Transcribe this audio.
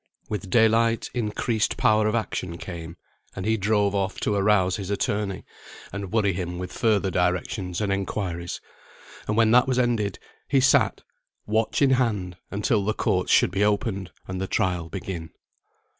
With daylight increased power of action came; and he drove off to arouse his attorney, and worry him with further directions and inquiries; and when that was ended, he sat, watch in hand, until the courts should be opened, and the trial begin.